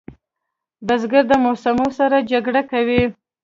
بزګر د موسمو سره جګړه کوي